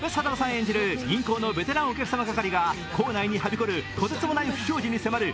演じる銀行のベテランお客様係が行内にはびこるとてつもない不祥事に迫る